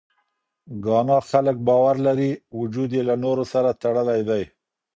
ګانا خلک باور لري، وجود یې له نورو سره تړلی دی.